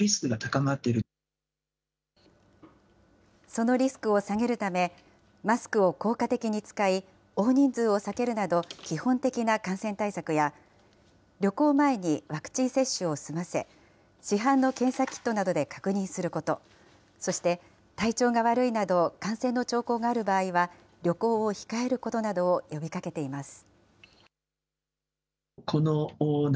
そのリスクを下げるため、マスクを効果的に使い、大人数を避けるなど、基本的な感染対策や、旅行前にワクチン接種を済ませ、市販の検査キットなどで確認すること、そして、体調が悪いなど、感染の兆候がある場合は旅行を控えることなどを呼びかけています。